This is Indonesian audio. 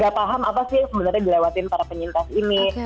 gak paham apa sih yang sebenarnya dilewatin para penyintas ini